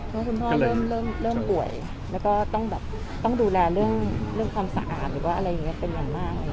เพราะคุณพ่อเริ่มบ่วยแล้วก็ต้องดูแลเรื่องความสะอาดเป็นอย่างมาก